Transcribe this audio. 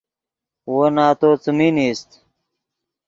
وو نتو څیمین ایست